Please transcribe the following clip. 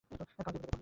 কাল যে দেবে বললে?